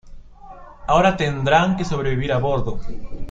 Ahora tendrán que sobrevivir a bordo.